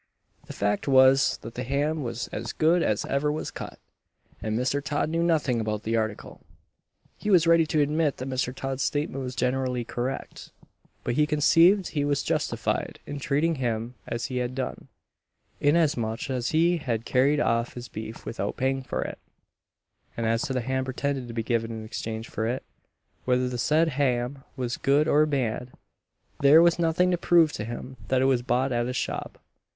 The fact was, that the ham was as good as ever was cut, and Mr. Todd knew nothing about the article. He was ready to admit that Mr. Todd's statement was generally correct, but he conceived he was justified in treating him as he had done, inasmuch as he had carried off his beef without paying for it; and as to the ham pretended to be given in exchange for it, whether the said ham was good or bad, there was nothing to prove to him that it was bought at his shop.